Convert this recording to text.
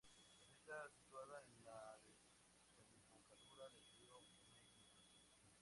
Está situada en la desembocadura del río Meghna.